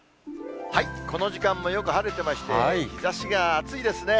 この時間もよく晴れていまして、日ざしが暑いですね。